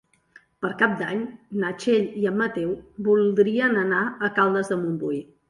Per Cap d'Any na Txell i en Mateu voldrien anar a Caldes de Montbui.